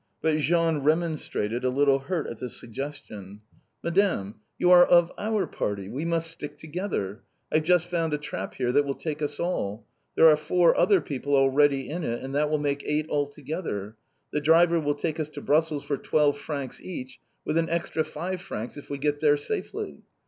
But Jean remonstrated, a little hurt at the suggestion. "Madame, you are of our party! We must stick together. I've just found a trap here that will take us all. There are four other people already in it, and that will make eight altogether. The driver will take us to Brussels for twelve francs each, with an extra five francs, if we get there safely!"